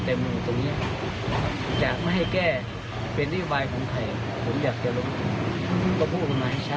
ก็พูดมาให้ชัด